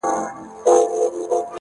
o که ما کوې، که لالا کوې، که ما کوې٫